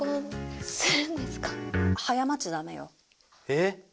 えっ！